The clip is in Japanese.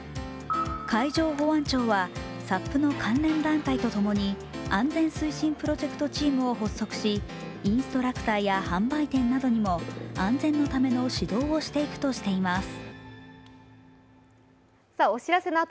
海上保安庁はＳＵＰの関連団体とともに安全推進プロジェクトチームを発足しインスタラクターや販売店などにも安全のための指導をしていくとしてます。